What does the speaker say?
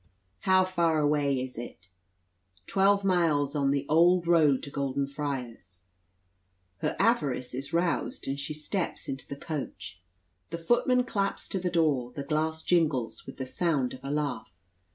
"How far away is it?" "Twelve miles on the old road to Golden Friars." Her avarice is roused, and she steps into the coach. The footman claps to the door; the glass jingles with the sound of a laugh.